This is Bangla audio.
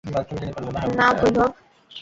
না, ভৈভব।